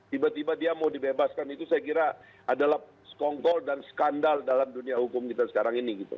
tiba tiba dia mau dibebaskan itu saya kira adalah skongkol dan skandal dalam dunia hukum kita sekarang ini gitu